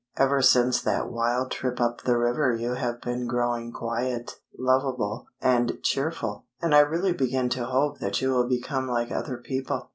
Ever since that wild trip up the river you have been growing quiet, lovable, and cheerful, and I really begin to hope that you will become like other people."